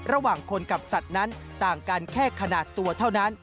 ระหว่างคนกับสัตว์นั้นต่างกันแค่ขนาดตัวเท่านั้น